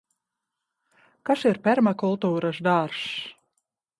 Kas ir permakultūras dārzs?